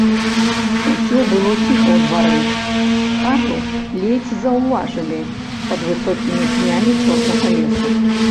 Усё было ціха ў двары, хату ледзь заўважылі пад высокімі пнямі чорнага лесу.